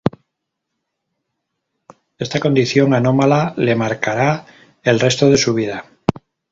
Esta condición anómala le marcará el resto de su vida.